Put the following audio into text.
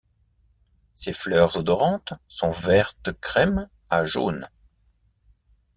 Ses fleurs odorantes sont vertes crèmes à jaunes.